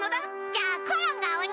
じゃあコロンがおに！